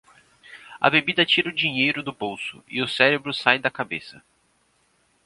A bebida tira o dinheiro do bolso e o cérebro sai da cabeça.